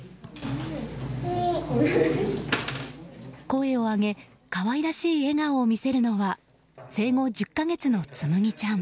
声を上げ可愛らしい笑顔を見せるのは生後１０か月の紬ちゃん。